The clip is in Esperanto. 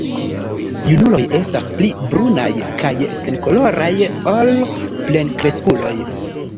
Junuloj estas pli brunaj kaj senkoloraj ol plenkreskuloj.